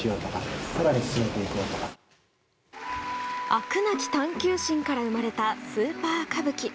あくなき探求心から生まれた「スーパー歌舞伎」。